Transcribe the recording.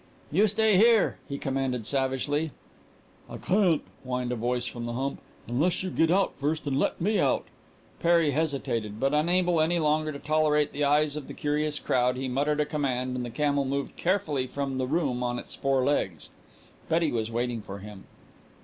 "You stay here!" he commanded savagely. "I can't," whined a voice from the hump, "unless you get out first and let me get out." Perry hesitated, but unable any longer to tolerate the eyes of the curious crowd he muttered a command and the camel moved carefully from the room on its four legs. Betty was waiting for him.